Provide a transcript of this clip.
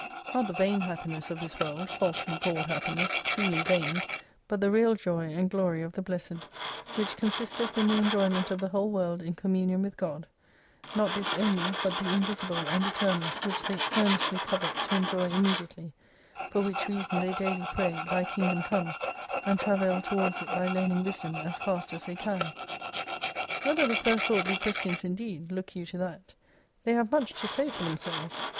Not the vain happiness of this world, falsely called happiness, truly vain : but the real joy and glory of the blessed, which consisteth in the enjoyment of the whole world in communion with God ; not this only, but the invisible and eternal, which they earnestly covet to enjoy im mediately : for which reason they daily pray TAy king dom come, and travail towards it by learning Wisdom as fast as they can. Whether the first sort be Christians indeed, look you to that. They have much to say for themselves.